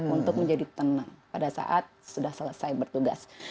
untuk menjadi tenang pada saat sudah selesai bertugas